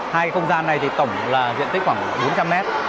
hai không gian này thì tổng là diện tích khoảng bốn trăm linh mét